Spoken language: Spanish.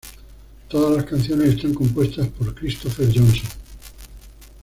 Todas las canciones están compuestas por Christofer Johnsson.